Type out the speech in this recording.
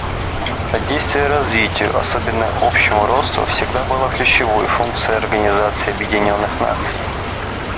Содействие развитию, особенно общему росту, всегда было ключевой функцией Организации Объединенных Наций.